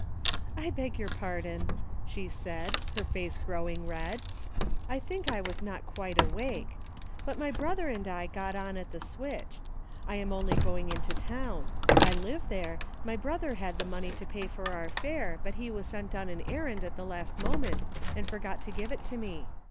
"I beg your pardon," she said, her face grow ing red, "I think I was not quite awake. But my brother and I got on at the switch. I am only going into town. I live there; my brother had the money to pay our fare, but he was sent on an errand at the last moment and forgot to give it to me.